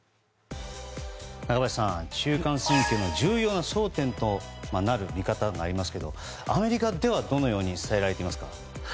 中林さん、中間選挙の重要な争点となるという見方になりますがアメリカではどう伝えられていますか。